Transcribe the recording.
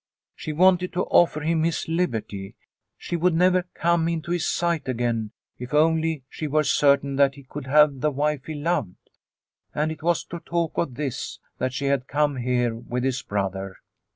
She wanted to offer him his liberty ; she would never come into his sight again if only she were certain that he could have the wife he loved. And it was to talk of this that she had come here with his brother.